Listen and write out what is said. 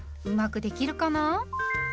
うまくできるかな？